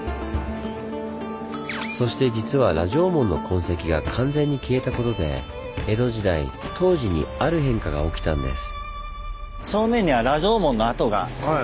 そして実は羅城門の痕跡が完全に消えたことで江戸時代東寺に「ある変化」が起きたんです。